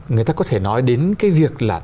người ta có thể nói đến cái việc là